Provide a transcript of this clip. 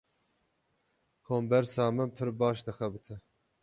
Kombersa min pir baş dixebite.